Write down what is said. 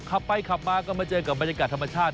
ขับไปขับมาก็มาเจอกับบรรยากาศธรรมชาติ